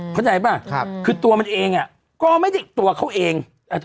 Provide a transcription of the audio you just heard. เข้าใจป่ะคือตัวมันเองอ่ะเป็นตัวเขาเอง